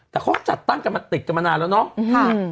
แต่เขาจัดตั้งกันมาติดกันมานานแล้วเนอะอือฮือ